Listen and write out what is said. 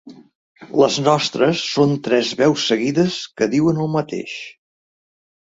Les nostres són tres veus seguides que diuen el mateix.